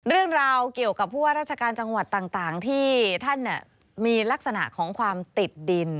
เรื่องราวเกี่ยวกับผู้ว่าราชการจังหวัดต่างที่ท่านมีลักษณะของความติดดิน